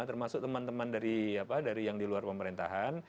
termasuk teman teman dari yang di luar pemerintahan